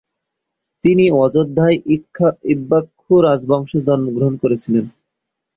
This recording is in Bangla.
তিনি অযোধ্যায় ইক্ষ্বাকু রাজবংশে জন্মগ্রহণ করেছিলেন।